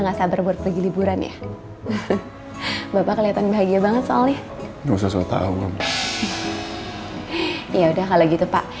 nggak sabar buat pergi liburan ya bapak kelihatan bahagia banget soalnya ya udah kalau gitu pak